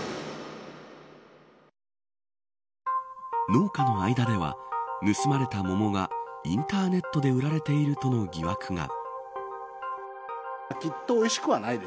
農家の間では、盗まれた桃がインターネットで売られているとの疑惑が。